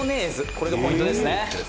これがポイントですね」